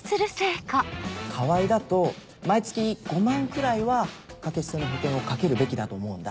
川合だと毎月５万くらいは掛け捨ての保険をかけるべきだと思うんだ。